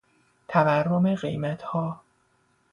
تورم قیمتها